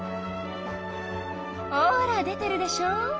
ほら出てるでしょ。